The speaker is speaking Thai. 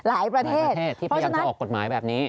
หลายประเทศที่พยายามจะออกกฎหมายแบบนี้